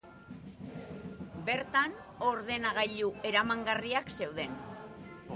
Bertan, ordenagilu eramangarriak zeuden.